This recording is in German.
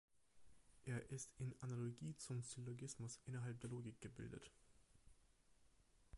Er ist in Analogie zum Syllogismus innerhalb der Logik gebildet.